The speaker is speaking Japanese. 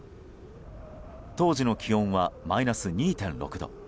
当時の気温はマイナス２．６度。